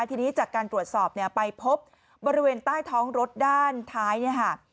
ทีนี้จากการตรวจสอบเนี่ยไปพบบริเวณใต้ท้องรถด้านท้ายเนี่ยค่ะ